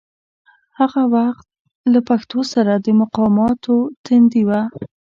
هغه وخت له پښتو سره د مقاماتو تندي و.